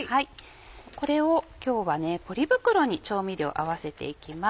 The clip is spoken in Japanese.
これを今日はポリ袋に調味料合わせて行きます。